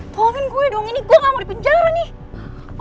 tolongin gue dong ini gua gak mau dipenjar nih